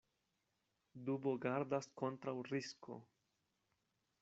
Dubo gardas kontraŭ risko.